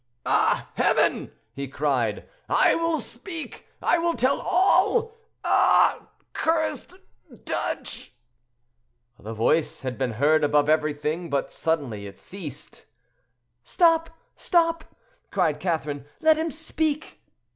"Ah, heaven!" he cried; "I will speak, I will tell all. Ah! cursed duch—" The voice had been heard above everything, but suddenly it ceased. "Stop, stop," cried Catherine, "let him speak."